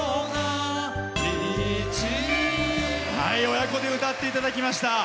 親子で歌っていただきました。